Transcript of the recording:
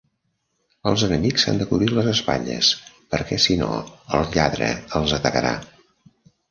Els enemics s'han de cobrir les espatlles, perquè si no el lladre els atacarà.